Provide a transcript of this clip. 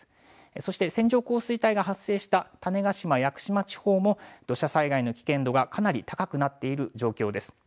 そして線状降水帯が発生した種子島・屋久島地方も土砂災害の危険度がかなり高くなっている状況です。